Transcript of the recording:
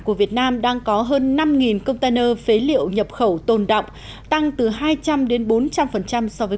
của việt nam đang có hơn năm container phế liệu nhập khẩu tồn động tăng từ hai trăm linh đến bốn trăm linh so với